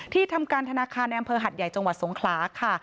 ทำการธนาคารในอำเภอหัดใหญ่จังหวัดสงขลาค่ะ